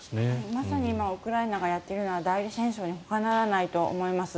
まさに今ウクライナがやっているのは代理戦争にほかならないと思います。